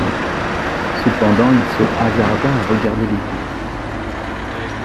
Cependant il se hasarda à regarder l’église.